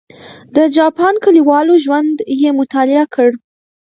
د جاپان کلیوالو ژوند یې مطالعه کړ.